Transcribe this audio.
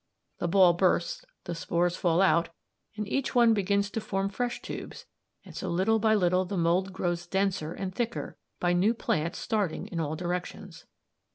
The ball bursts, the spores fall out, and each one begins to form fresh tubes, and so little by little the mould grows denser and thicker by new plants starting in all directions.